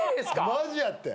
マジやって。